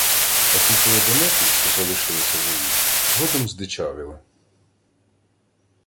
А ті поодинокі, що залишилися живі, згодом здичавіли